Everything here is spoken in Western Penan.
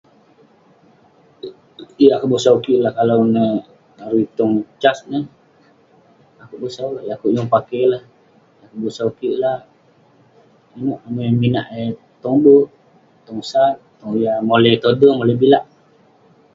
Yah kebosau kik lah kalau neh larui tong cas neh, akouk bosau, akouk yeng pakey lah..yah kebosau kik lah, inouk..amai minak eh tong berk, tong sak, tong yah mole tode',mole bilak..